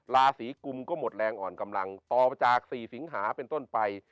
ราศีกุมก็หมดแรงอ่อนกำลังต่อจาก๔สิงหาเป็นต้นไป